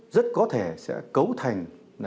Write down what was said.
rất có thể sẽ cấu thành